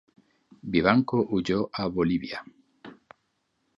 Vivanco huyó a Bolivia.